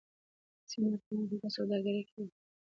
ځینې افغانان هلته سوداګري کوي.